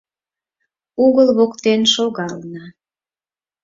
Угыл воктен шогална.